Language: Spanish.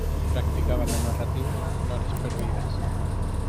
Practicaba la narrativa en horas perdidas.